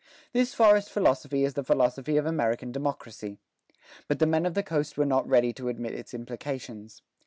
This forest philosophy is the philosophy of American democracy. But the men of the coast were not ready to admit its implications.